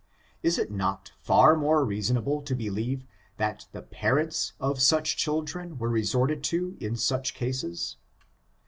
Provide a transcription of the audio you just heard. Is it not far more reasonable to believe that the parents of such children were resorted to in such cases?